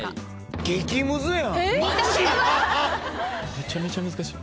めちゃめちゃ難しい。